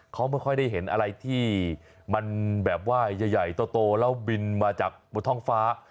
เขาไม่ค่อยได้เห็นอะไรที่มันแบบว่าใหญ่โตแล้วบินมาจากบนท้องฟ้า